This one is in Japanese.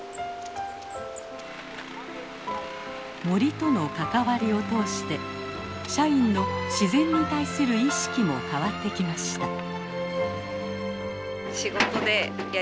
森との関わりを通して社員の自然に対する意識も変わってきました。